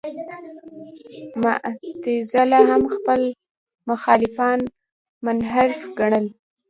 معتزله هم خپل مخالفان منحرف ګڼل.